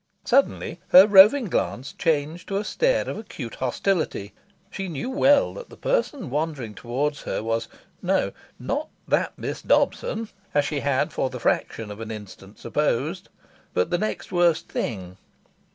Suddenly, her roving glance changed to a stare of acute hostility. She knew well that the person wandering towards her was no, not "that Miss Dobson," as she had for the fraction of an instant supposed, but the next worst thing.